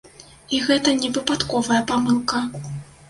І гэта не выпадковая памылка.